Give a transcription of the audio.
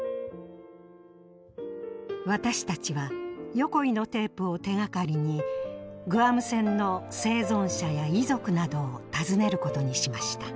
私たちは横井のテープを手がかりにグアム戦の生存者や遺族などを訪ねることにしました。